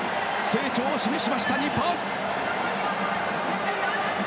成長を示しました日本。